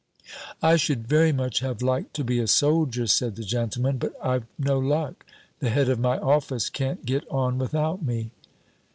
"I should very much have liked to be a soldier," said the gentleman, "but I've no luck. The head of my office can't get on without me."